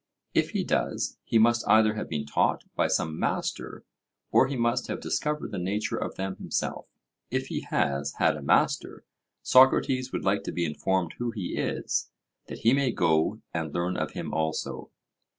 If he does, he must either have been taught by some master, or he must have discovered the nature of them himself. If he has had a master, Socrates would like to be informed who he is, that he may go and learn of him also.